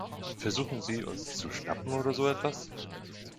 Versuchen Sie, uns zu schnappen oder so etwas?